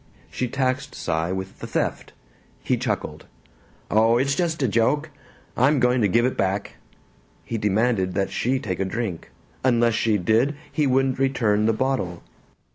She taxed Cy with the theft; he chuckled, "Oh, it's just a joke; I'm going to give it back." He demanded that she take a drink. Unless she did, he wouldn't return the bottle.